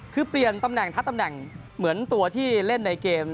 คือเปลี่ยนตำแหน่งทัดตำแหน่งเหมือนตัวที่เล่นในเกม